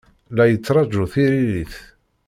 La yettṛaju tiririt.